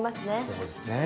そうですね。